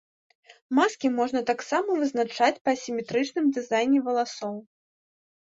Маскі можна таксама вызначыць па асіметрычным дызайне валасоў.